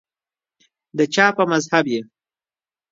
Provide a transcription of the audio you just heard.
دچا په مذهب یی